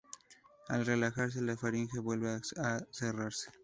Al relajarse, la faringe vuelve a cerrarse.